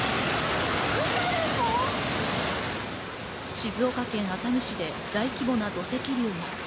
静岡県熱海市で大規模な土石流が。